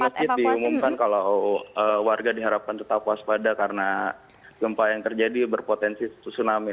masjid diumumkan kalau warga diharapkan tetap waspada karena gempa yang terjadi berpotensi tsunami